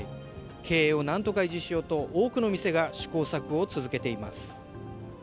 経営をなんとか維持しようと、多くの店が試行錯誤を続けています。